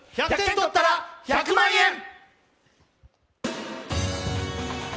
１００点とったら１００万円！